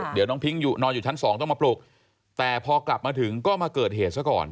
เดี๋ยวน้องพิ้งนอนอยู่ชั้นสองต้องมาปลุกแต่พอกลับมาถึงก็มาเกิดเหตุซะก่อน